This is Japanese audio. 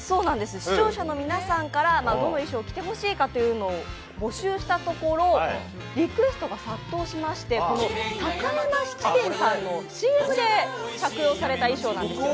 視聴者の皆さんからどの衣装を着てほしいかというのを募集したところリクエストが殺到しまして高山質店さんのＣＭなんですね。